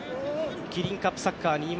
キリンカップサッカー２０２２